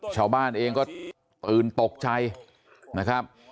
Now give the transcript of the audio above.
ชาวบ้านเองก็ตื่นตกใจนะครับ